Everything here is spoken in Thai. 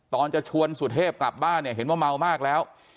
ตอนจะชวนสุเทพกลับบ้านเนี่ยเห็นว่าเมามากแล้ว